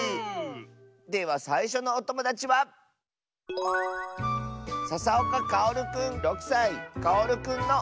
ではさいしょのおともだちはかおるくんの。